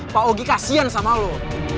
pak ogi kasihan sama lu